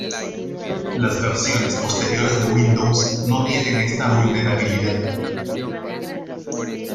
Las versiones posteriores de Windows no tienen esta vulnerabilidad.